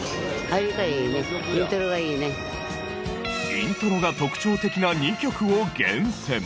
イントロが特徴的な２曲を厳選。